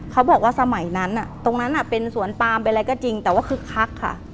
เขาบอกว่าสมัยนั้นตรงนั้นเป็นสวนปามเป็นอะไรก็จริงแต่ว่าคึกคักค่ะ